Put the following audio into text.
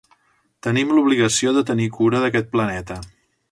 Tenim l'obligació de tenir cura d'aquest planeta.